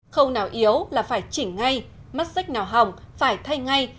khâu nào yếu là phải chỉnh ngay mắt xích nào hỏng phải thay ngay